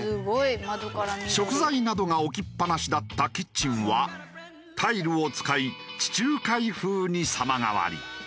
食材などが置きっぱなしだったキッチンはタイルを使い地中海風に様変わり。